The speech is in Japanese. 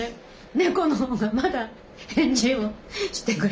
猫のほうがまだ返事をしてくれる。